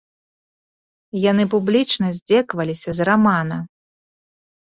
Яны публічна здзекаваліся з рамана.